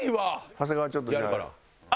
長谷川ちょっとじゃあ。